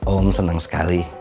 om seneng sekali